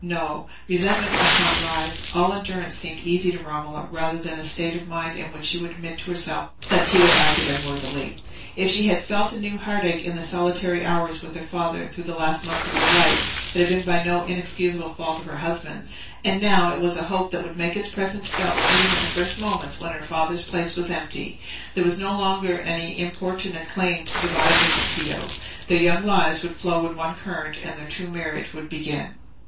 No! resentment must not rise: all endurance seemed easy to Romola rather than a state of mind in which she would admit to herself that Tito acted unworthily. If she had felt a new heartache in the solitary hours with her father through the last months of his life, it had been by no inexcusable fault of her husband's; and now—it was a hope that would make its presence felt even in the first moments when her father's place was empty—there was no longer any importunate claim to divide her from Tito; their young lives would flow in one current, and their true marriage would begin.